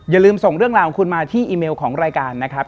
อย่าลืมส่งเรื่องราวของคุณมาที่อีเมลของรายการนะครับ